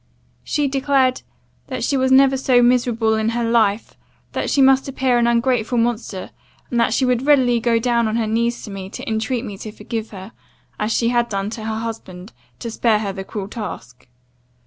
She declared, 'That she was never so miserable in her life; that she must appear an ungrateful monster; and that she would readily go down on her knees to me, to intreat me to forgive her, as she had done to her husband to spare her the cruel task.